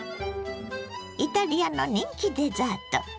イタリアの人気デザート。